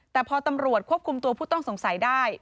แต่พอตำรวจควบคุมตัวผู้ต้องสงสัยได้